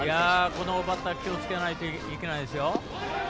このバッター気をつけなければいけないですよ。